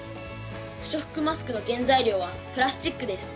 不織布マスクの原材料はプラスチックです。